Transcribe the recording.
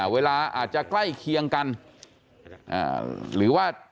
เวลาอาจจะใกล้เคียงกันหรือว่า